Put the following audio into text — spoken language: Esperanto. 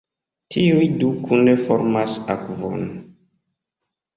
Tiuj du kune formas akvon.